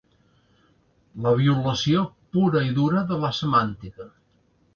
La violació pura i dura de la semàntica.